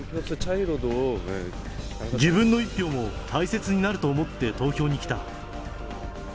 自分の一票も大切になると思って投票に来た。